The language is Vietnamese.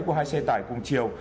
của hai xe tải cùng chiều